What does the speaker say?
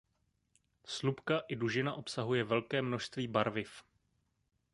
Slupka i dužina obsahuje velké množství barviv.